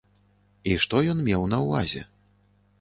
І што ён меў на ўвазе?